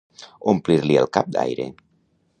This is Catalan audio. Omplir-li el cap d'aire.